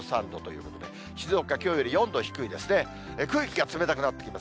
空気が冷たくなってきます。